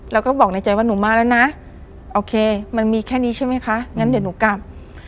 เราก็บอกในใจว่าหนูมาแล้วนะโอเคมันมีแค่นี้ใช่ไหมคะงั้นเดี๋ยวหนูกลับ